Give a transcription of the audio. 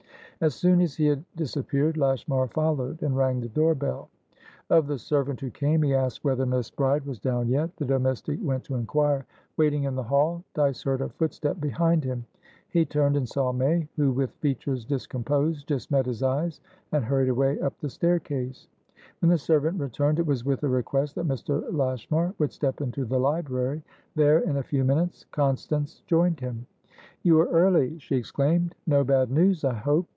As soon as he had disappeared, Lashmar followed, and rang the door bell. Of the servant who came, he asked whether Miss Bride was down yet. The domestic went to inquire. Waiting in the hall, Dyce heard a footstep behind him; he turned and saw May, who, with features discomposed, just met his eyes and hurried away up the staircase. When the servant returned, it was with a request that Mr. Lashmar would step into the library. There, in a few minutes, Constance joined him. "You are early!" she exclaimed. "No bad news, I hope?"